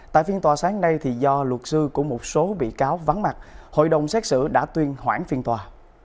tại phiên tòa sáng nay do luật sư của một số bị cáo vắng mặt hội đồng xét xử đã tuyên hoãn phiên tòa